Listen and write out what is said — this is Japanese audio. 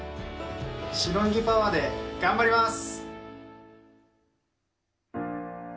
白ネギパワーで頑張ります！